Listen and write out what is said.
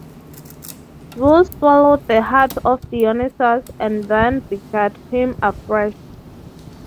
Zeus swallowed the heart of Dionysus and then begat him afresh.